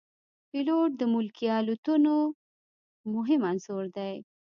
پیلوټ د ملکي الوتنو مهم عنصر دی.